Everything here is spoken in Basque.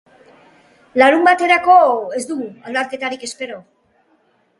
Larunbaterako ez dugu aldaketarik espero.